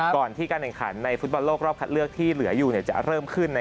ก่อนที่การแข่งขันในฟุตบอลโลกรอบคัดเลือกที่เหลืออยู่จะเริ่มขึ้น